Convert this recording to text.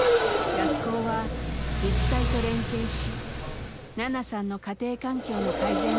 学校は自治体と連携しナナさんの家庭環境の改善に動きだしました。